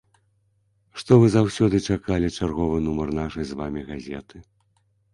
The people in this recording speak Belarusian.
Што вы заўсёды чакалі чарговы нумар нашай з вамі газеты.